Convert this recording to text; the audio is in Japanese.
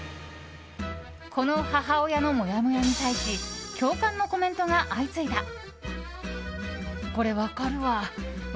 この母親のモヤモヤに対し共感のコメントが相次いだ。